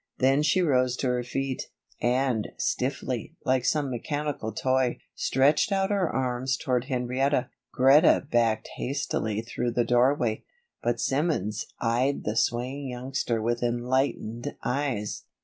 Then she rose to her feet, and, stiffly, like some mechanical toy, stretched out her arms toward Henrietta. Greta backed hastily through the doorway; but Simmons eyed the swaying youngster with enlightened eyes.